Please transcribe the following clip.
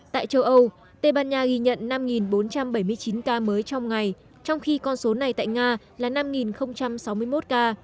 tại châu âu tây ban nha ghi nhận năm bốn trăm bảy mươi chín ca mới trong ngày trong khi con số này tại nga là năm sáu mươi một ca